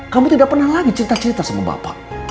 kamu tidak pernah lagi cerita cerita sama bapak